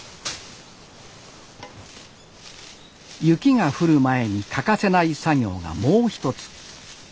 雪が降る前に欠かせない作業がもう一つ。